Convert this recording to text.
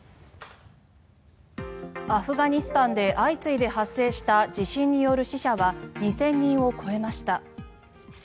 アフガニスタンで相次いで発生した地震による死者は２０００人を超えました。